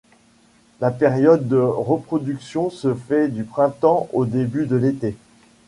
La période de reproduction se fait du printemps au début de l'été.